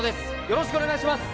よろしくお願いします